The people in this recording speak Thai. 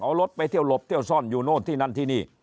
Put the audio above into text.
เอารถไปเที่ยวหลบเที่ยวซ่อนอยู่โน่นที่นั่นที่นี่